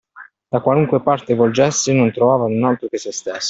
Da qualunque parte volgesse, non trovava null’altro che se stesso.